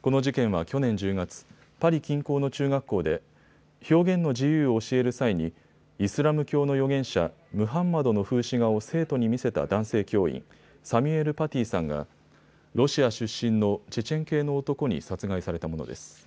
この事件は去年１０月、パリ近郊の中学校で表現の自由を教える際にイスラム教の預言者ムハンマドの風刺画を生徒に見せた男性教員、サミュエル・パティさんがロシア出身のチェチェン系の男に殺害されたものです。